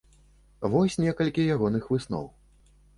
Вось некалькі ягоных высноў.